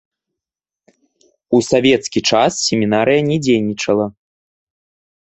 У савецкі час семінарыя не дзейнічала.